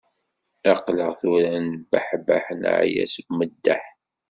Aql-aɣ tura nebbeḥbeḥ, neɛya seg umeddeḥ